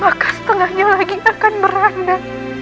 maka setengahnya lagi akan meranda